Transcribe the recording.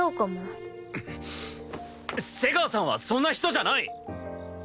瀬川さんはそんな人じゃない！